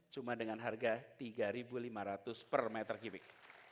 cuma dengan harga rp tiga lima ratus per meter kubik